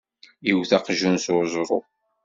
Iwet aqjun s uẓru.